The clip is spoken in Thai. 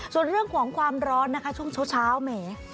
ส่วนเรื่องของความร้อนนะคะช่วงเช้าแหม